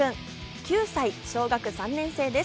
９歳、小学３年生です。